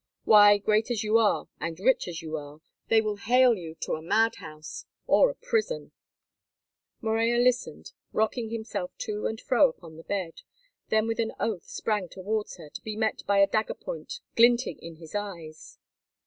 Why, great as you are, and rich as you are, they will hale you to a mad house or a prison." Morella listened, rocking himself to and fro upon the bed, then with an oath sprang towards her, to be met by a dagger point glinting in his eyes.